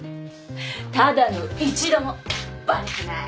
ただの一度もバレてない。